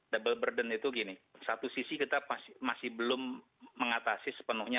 double burden itu gini satu sisi kita masih belum mengatasi sepenuhnya